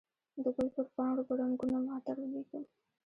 د ګل پر پاڼو به رنګونه معطر ولیکم